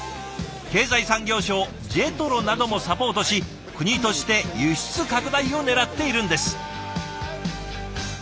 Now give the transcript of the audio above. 経済産業省ＪＥＴＲＯなどもサポートし国として輸出拡大をねらっているんです。